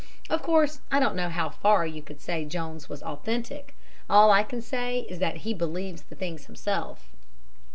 Of course, I don't know how far you could say Jones was authentic. All I can say is that he believes the things himself.